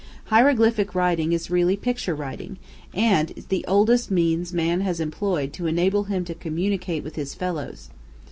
Hieroglyphic writing is really picture writing, and is the oldest means man has employed to enable him to communicate with his fellows.